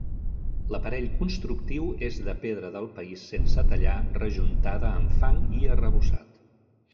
L'aparell constructiu és de pedra del país sense tallar rejuntada amb fang i arrebossat.